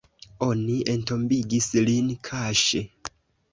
Oni entombigis lin kaŝe.